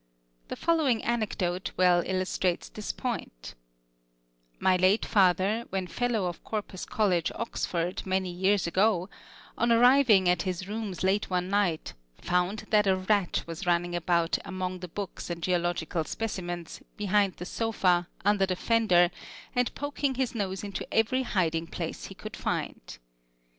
The following anecdote well illustrates this point: My late father, when fellow of Corpus College, Oxford, many years ago, on arriving at his rooms late one night, found that a rat was running about among the books and geological specimens, behind the sofa, under the fender, and poking his nose into every hiding place he could find.